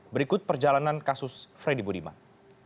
berikut perjalanan kasus freddy budiman